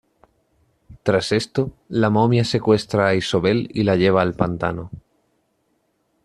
Tras esto, la momia secuestra a Isobel y la lleva al pantano.